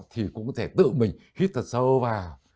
thì cũng có thể tự mình hít thật sâu vào